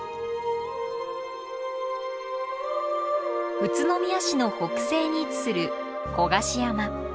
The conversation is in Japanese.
宇都宮市の北西に位置する古賀志山。